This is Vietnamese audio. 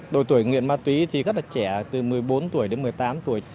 độ tuổi nghiện ma túy thì rất là trẻ từ một mươi bốn tuổi đến một mươi tám tuổi